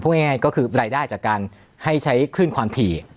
ง่ายก็คือรายได้จากการให้ใช้คลื่นความถี่